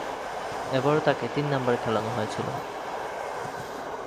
এবারও তাকে তিন নম্বরে খেলানো হয়েছিল।